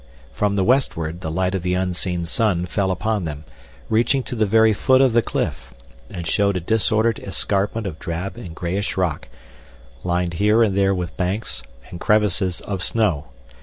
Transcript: From the westward the light of the unseen sun fell upon them, reaching to the very foot of the cliff, and showed a disordered escarpment of drab and greyish rock, lined here and there with banks and crevices of snow.